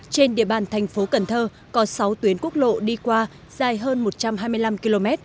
trên địa bàn thành phố cần thơ có sáu tuyến quốc lộ đi qua dài hơn một trăm hai mươi năm km